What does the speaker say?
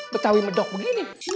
betawi medok begini